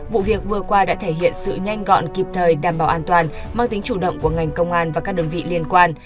vụ việc vừa qua đã thể hiện sự nhanh gọn kịp thời đảm bảo an toàn mang tính chủ động của ngành công an và các đơn vị liên quan